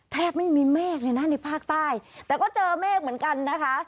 แทบไม่มีเมฆเลยนะในภาคใต้แต่ก็เจอเมฆเหมือนกันนะคะ